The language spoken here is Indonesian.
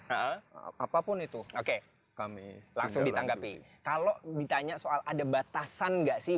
apapun itu oke kami langsung ditanggapi kalau ditanya soal ada batasan nggak sih